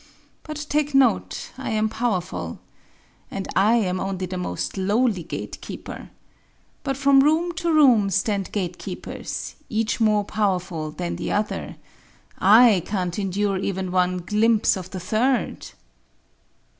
But take note: I am powerful. And I am only the most lowly gatekeeper. But from room to room stand gatekeepers, each more powerful than the other. I can't endure even one glimpse of the third."